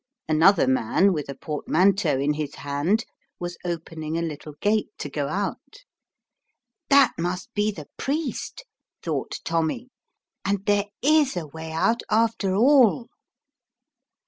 Another man, with a portmanteau in his hand, was opening a little gate to go out. " That must be the priest," thought Tommy, " and there is a way out after all."